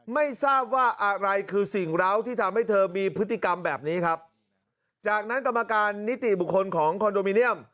ไม่ทราบว่าอะไรคือสิ่งร้าวที่ทำให้เธอมีพฤติกรรมแบบนี้ครับจากนั้นกรรมการนิติบุคคลของคอนโดมิเนียม